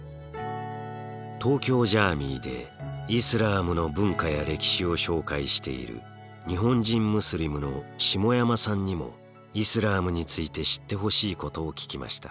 東京ジャーミイでイスラームの文化や歴史を紹介している日本人ムスリムの下山さんにもイスラームについて知ってほしいことを聞きました。